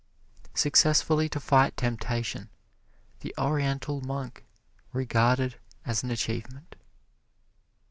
Successfully to fight temptation, the Oriental Monk regarded as an achievement.